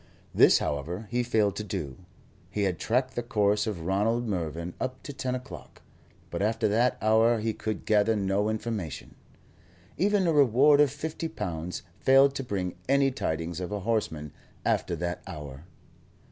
This, however, he failed to do; he had tracked the course of Ronald Mervyn up to ten o'clock, but after that hour he could gather no information. Even a reward of fifty pounds failed to bring any tidings of a horseman after that hour.